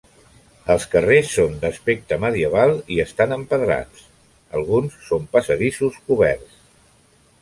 Els carrers són d'aspecte medieval i estan empedrats, alguns són passadissos coberts.